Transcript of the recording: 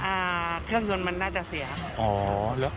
อ่าเครื่องยนต์มันน่าจะเสียครับ